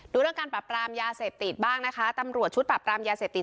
เรื่องการปรับปรามยาเสพติดบ้างนะคะตำรวจชุดปรับปรามยาเสพติด